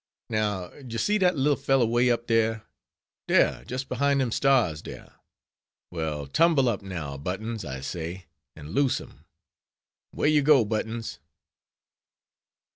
Now, d'ye see dat leelle fellow way up dare? dare, just behind dem stars dare: well, tumble up, now, Buttons, I zay, and looze him; way you go, Buttons."